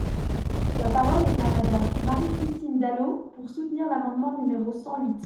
La parole est à Madame Marie-Christine Dalloz, pour soutenir l’amendement numéro cent huit.